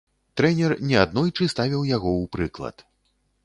Трэнер не аднойчы ставіў яго ў прыклад.